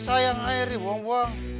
sayang air dibuang buang